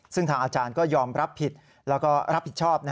ซึ่งทางอาจารย์ก็ยอมรับผิดแล้วก็รับผิดชอบ